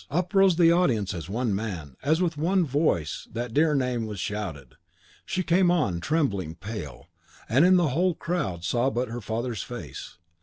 Up rose the audience as one man, as with one voice that dear name was shouted. She came on, trembling, pale, and in the whole crowd saw but her father's face.